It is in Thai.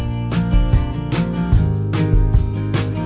ไม่ไม่รู้ทันหรือเปล่า